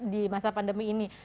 di masa pandemi ini